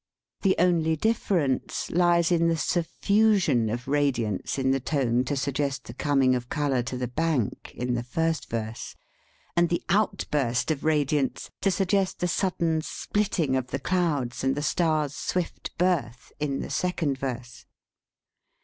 The only difference lies in the suffusion of radiance in the tone to suggest the coming of color to the bank, in the first verse, and the outbtirst of radiance to suggest the sudden splitting of the clouds, and the star's swift birth, in the second verse.